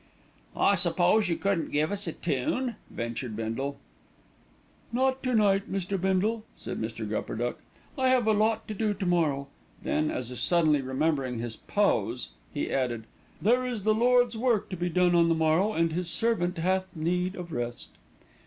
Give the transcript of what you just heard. "I suppose you couldn't give us a tune?" ventured Bindle. "Not to night, Mr. Bindle," said Mr. Gupperduck. "I have a lot to do to morrow." Then, as if suddenly remembering his pose, he added, "There is the Lord's work to be done on the morrow, and His servant hath need of rest."